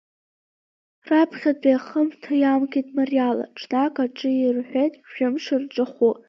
Раԥхьатәи ахымҭа иамгеит мариала, ҽнак аҿы ирҳәеит, шәымш рҿахәы.